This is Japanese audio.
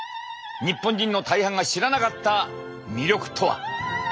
日本人の大半が知らなかった魅力とは。